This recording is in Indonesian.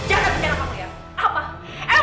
jangan bicara bicara kamu ya